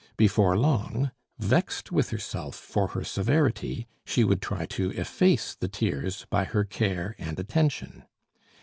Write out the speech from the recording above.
Before long, vexed with herself for her severity, she would try to efface the tears by her care and attention.